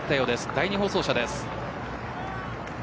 第２放送車です。